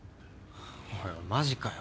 おいおいマジかよ。